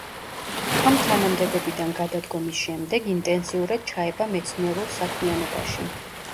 ამ თანამდებობიდან გადადგომის შემდეგ ინტენსიურად ჩაება მეცნიერულ საქმიანობაში.